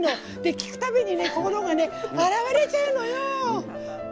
聴く度に心が洗われちゃうのよ！